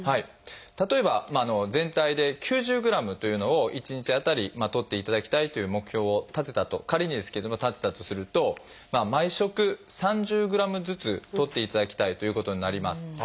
例えば全体で９０ｇというのを一日当たりとっていただきたいという目標を立てたと仮にですけれども立てたとすると毎食３０ｇずつとっていただきたいということになります。